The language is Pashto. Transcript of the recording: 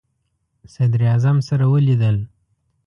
صدراعظم سره ولیدل.